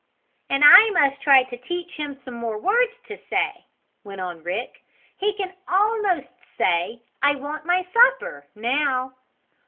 "And I must try to teach him some more words to say," went on Rick. "He can almost say 'I want my supper' now."